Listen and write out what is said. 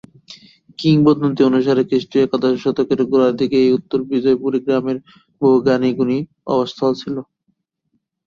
কিংবদন্তী অনুসারে খৃষ্টীয় একাদশ শতকের গোড়ার দিকে এই উত্তর বিজয়পুর গ্রামে বহু জ্ঞানী-গুণীর আবাসস্থল ছিল।